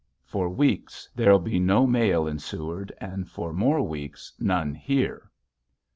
For weeks there'll be no mail in Seward and for more weeks none here.